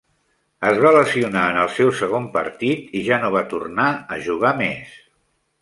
Es va lesionar en el seu segon partit i ja no va tornar a jugar més.